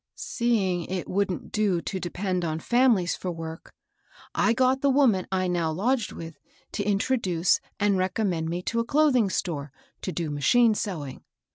"Seeing it wouldn't do to depend on fami lies for work, I got the woman I now lodged with to introduce and recommend me to a cloth ingHstore to do machine sewing.